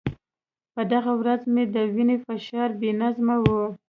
په دغه ورځ مې د وینې فشار بې نظمه و.